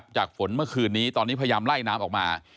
ฝนเมื่อคืนนี้ตอนนี้พยายามไล่น้ำออกมา